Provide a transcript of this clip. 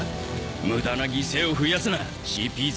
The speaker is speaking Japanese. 無駄な犠牲を増やすなＣＰ−０。